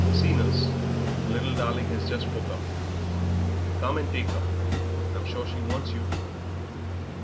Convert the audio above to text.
"See, nurse, the little darling has just woke up; come and take her, I'm sure she wants you."